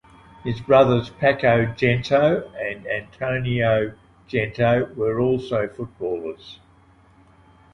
His brothers Paco Gento and Antonio Gento were also footballers.